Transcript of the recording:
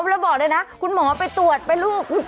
แล้วบอกเลยนะคุณหมอไปตรวจไปลูก